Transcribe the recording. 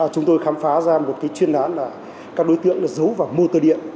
chúng tôi khám phá ra một chuyên đoán là các đối tượng giấu vào mô tơ điện